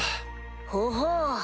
ほほう！